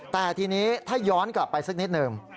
แต่ทีนี้ถ้าย้อนกลับไปสักนิดหนึ่ง